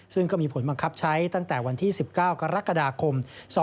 ซึ่งก็มีผลบังคับใช้ตั้งแต่วันที่๑๙กรกฎาคม๒๕๖